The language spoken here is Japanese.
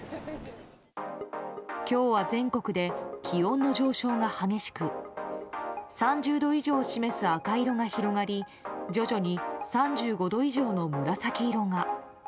今日は全国で気温の上昇が激しく３０度以上を示す赤色が広がり徐々に３５度以上の紫色が。